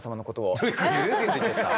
「類くん」って言っちゃった。